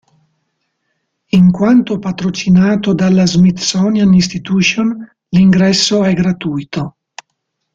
In quanto patrocinato dalla Smithsonian Institution, l'ingresso è gratuito.